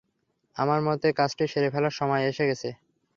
আমার মতে, কাজটি সেরে ফেলার সময় এসে গেছে।